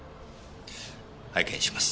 拝見します。